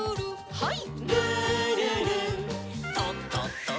はい。